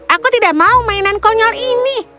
aku tidak mau mainan konyol ini